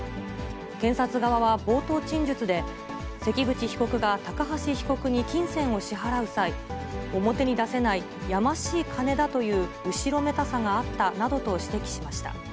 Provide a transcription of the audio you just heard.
検察側は冒頭陳述で、関口被告が高橋被告に金銭を支払う際、表に出せないやましい金だという後ろめたさがあったなどと指摘しました。